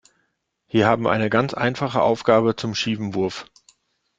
Hier haben wir eine ganz einfache Aufgabe zum schiefen Wurf.